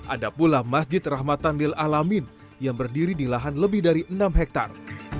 ada pula masjid rahmatan lil alamin yang berdiri di lahan lebih dari enam hektare